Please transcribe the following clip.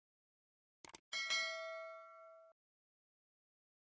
masih dengan perasaanku